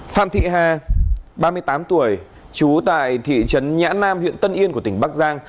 phạm thị hà ba mươi tám tuổi trú tại thị trấn nhã nam huyện tân yên của tỉnh bắc giang